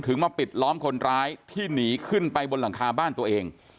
มาปิดล้อมคนร้ายที่หนีขึ้นไปบนหลังคาบ้านตัวเอง